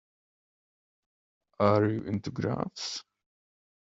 Are you into graphs?